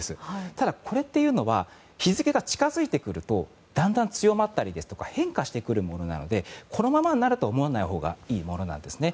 ただ、これっていうのは日付が近づいてくるとだんだん強まったりとか変化してくるものなのでこのままになるとは思わないほうがいいものなんですね。